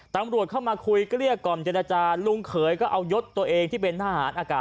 ตำรวจเข้ามาคุยเกลี้ยกล่อมเจรจาลุงเขยก็เอายศตัวเองที่เป็นทหารอากาศ